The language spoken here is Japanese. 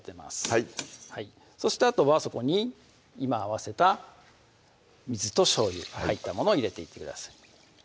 はいそしてあとはそこに今合わせた水としょうゆ入ったもの入れていってください